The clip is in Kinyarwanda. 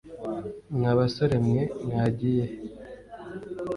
mwa basore mwe mwagiye he